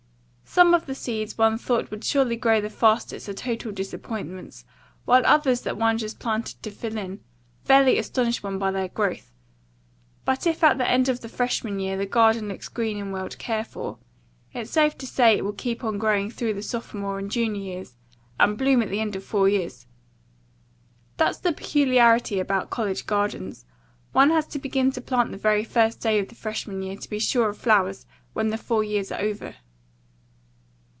Some of the seeds one thought would surely grow the fastest are total disappointments, while others that one just planted to fill in, fairly astonish one by their growth, but if at the end of the freshman year the garden looks green and well cared for, it's safe to say it will keep on growing through the sophomore and junior years and bloom at the end of four years. That's the peculiarity about college gardens. One has to begin to plant the very first day of the freshman year to be sure of flowers when the four years are over.